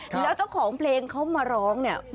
แล้วเจ้าของเพลงเขามาร้องเนี่ย